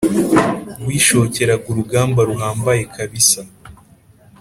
wishokeraga urugamba rurambye kabisa